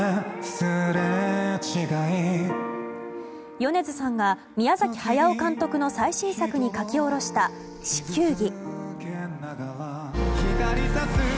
米津さんが宮崎駿監督の最新作に書き下ろした「地球儀」。